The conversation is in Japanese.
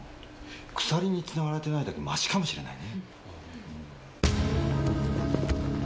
鎖につながれてないだけマシかもしれないね。